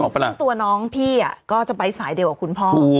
ซึ่งตัวน้องพี่ก็จะไปสายเดียวกับคุณพ่อ